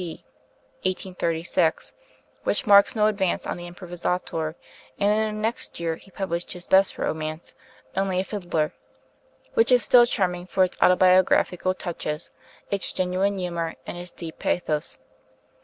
T.' (1836), which marks no advance on the 'Improvisatore'; and in the next year he published his best romance, 'Only a Fiddler,' which is still charming for its autobiographical touches, its genuine humor, and its deep pathos.